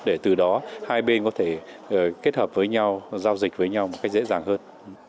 để từ đó hai bên có thể kết hợp với nhau giao dịch với nhau một cách dễ dàng hơn